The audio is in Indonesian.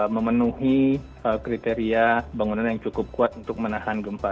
memenuhi kriteria bangunan yang cukup kuat untuk menahan gempa